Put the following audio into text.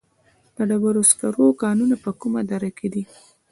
د ډبرو سکرو کانونه په کومه دره کې دي؟